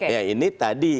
ya ini tadi